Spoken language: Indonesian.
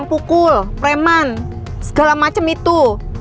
pukul preman segala macam itu